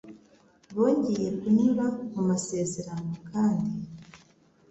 bongeye kunyura mu masezerano kandi.